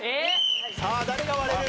さあ誰が割れる？